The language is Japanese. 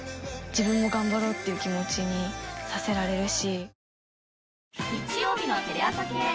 自分も頑張ろうっていう気持ちにさせられるし。